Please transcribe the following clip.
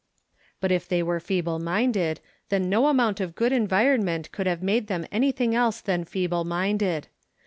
But if they were feeble minded, then no amount of good environment could have made them anything else than 'feeble minded.